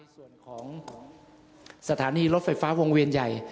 ส่วนของสถานีรถไฟฟ้าวงเวียนใหญ่